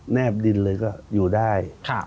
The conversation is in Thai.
แบบดินเลยก็อยู่ได้